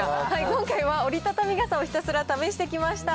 今回は折りたたみ傘をひたすら試してきました。